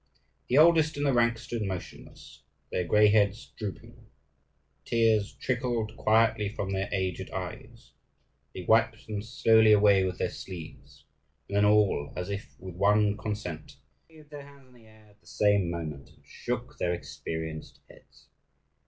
The oldest in the ranks stood motionless, their grey heads drooping. Tears trickled quietly from their aged eyes; they wiped them slowly away with their sleeves, and then all, as if with one consent, waved their hands in the air at the same moment, and shook their experienced heads.